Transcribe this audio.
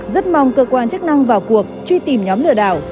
rất mong cơ quan chức năng vào cuộc truy tìm nhóm lừa đảo